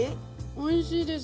おいしいです。